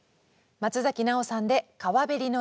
松崎ナオさんで「川べりの家」。